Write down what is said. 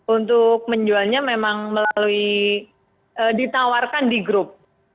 untuk menjualnya memang melalui ditawarkan di grup